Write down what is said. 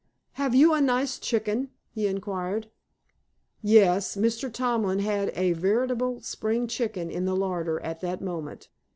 "Have you a nice chicken?" he inquired. Yes, Mr. Tomlin had a veritable spring chicken in the larder at that moment.